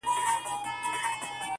خو ما د لاس په دسمال ووهي ويده سمه زه,